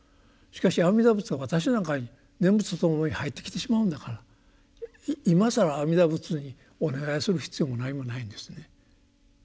しかし阿弥陀仏が私の中に念仏とともに入ってきてしまうんだから今更阿弥陀仏にお願いする必要もなにもないんですね。